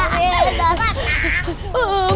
aduh aku takut